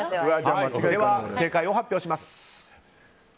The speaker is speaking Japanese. では、正解を発表します。